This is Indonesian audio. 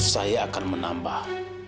saya akan menambah